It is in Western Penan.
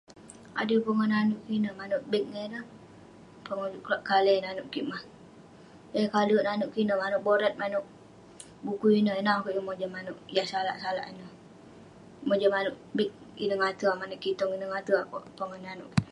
Adui pongah nanouk kik ineu, manouk beg ngan rah..pongah pekalai nanouk kik mah, yah yeng kalek nanouk kik ineh, manouk borat..manouk bukui ineh, ineh akouk yeng mojam manouk, yah salak salak ineh..mojam manouk bit ineh ngate', manouk kitong ineh mengate' akouk..pongah nanouk kik..